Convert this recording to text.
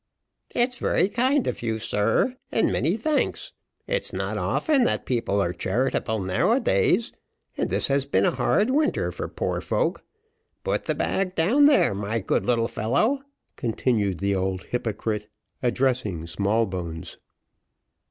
"It's very kind of you, sir, and many thanks. It's not often that people are charitable now a days, and this has been a hard winter for poor folk. Put the bag down there, my good little fellow," continued the old hypocrite, addressing Smallbones.